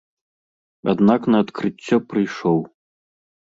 Аднак на адкрыццё прыйшоў.